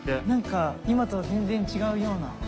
なんか今とは全然違うような。